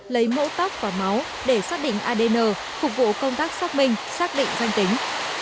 lấy mẫu tóc và máu để xác định adn phục vụ công tác xác minh xác định danh tính